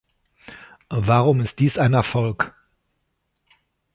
Warum ist dies ein Erfolg?